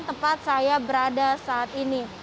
tempat saya berada saat ini